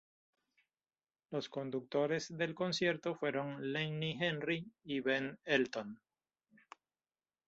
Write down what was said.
Los conductores del concierto fueron Lenny Henry y Ben Elton.